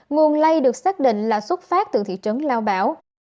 nguồn lây được xác định là xuất phát từ thị trấn lao bảo